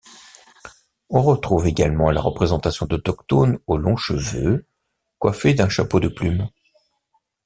On retrouve également la représentation d’autochtones aux longs cheveux coiffés d’un chapeau de plumes.